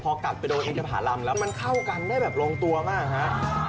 พอกลับไปโดนอินทภารำแล้วมันเข้ากันได้แบบลงตัวมากฮะ